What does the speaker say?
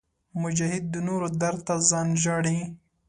مجاهد د نورو درد ته ځان ژاړي.